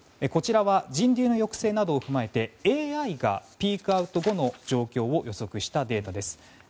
こちらは人流の抑制などを踏まえてＡＩがピークアウト後の状況を予測したデータです。